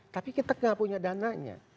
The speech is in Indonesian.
tapi kita gak punya dananya